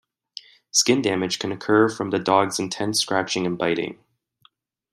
Skin damage can occur from the dog's intense scratching and biting.